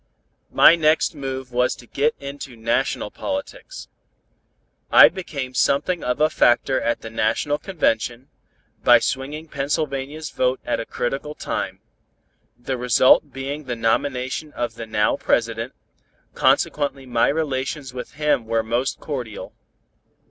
My next move was to get into national politics. I became something of a factor at the national convention, by swinging Pennsylvania's vote at a critical time; the result being the nomination of the now President, consequently my relations with him were most cordial.